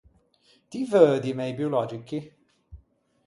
Ti veu di mei biològichi?